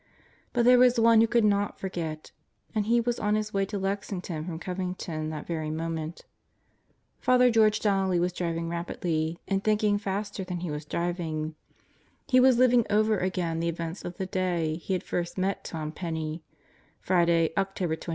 But there was one who could not forget, and he was on his way to Lexington from Covington that very moment. Father George Donnelly was driving rapidly and thinking faster than he was driving. He was living over again the events of the day he had first met Tom Penney Friday, October 23.